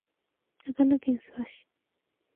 長野県諏訪市